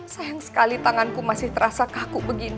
sayang sekali tanganku masih terasa kaku begini